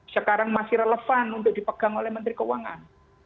sekarang masih relevan untuk dipegang oleh menteri keuangan